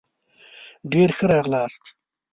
ډېر ښه راغلاست